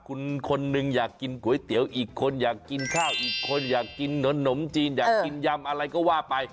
คุณคนนึงอยากกินก๋วยเตี๋ยวอีกคนอยากกินข้าวอีกคนอยากกินขนมจีนอยากกินยำอะไรก็ว่าไป